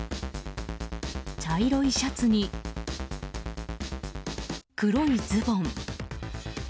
茶色いシャツに、黒いズボン。